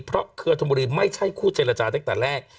เพราะเครือธมบุรีไม่ใช่คู่เจรจาตั้งแต่แรก